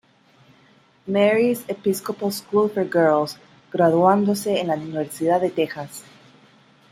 Mary's Episcopal School for Girls, graduándose en la Universidad de Texas.